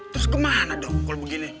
terus kemana dong kalau begini